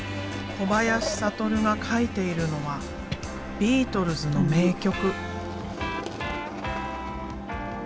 小林覚が描いているのはビートルズの名曲。